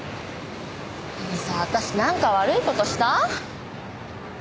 あのさ私なんか悪い事した？